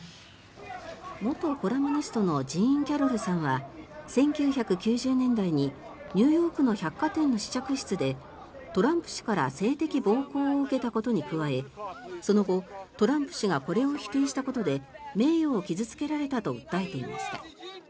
元コラムニストのジーン・キャロルさんは１９９０年代にニューヨークの百貨店の試着室でトランプ氏から性的暴行を受けたことに加えその後、トランプ氏がこれを否定したことで名誉を傷付けられたと訴えていました。